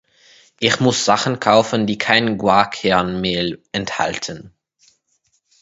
Ich muss Sachen kaufen, die kein Guarkernmehl enthalten.